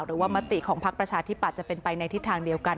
มติของพักประชาธิปัตย์จะเป็นไปในทิศทางเดียวกัน